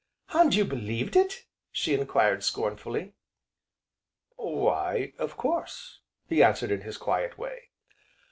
"And you believed it?" she enquired scornfully. "Why, of course!" he answered in his quiet way.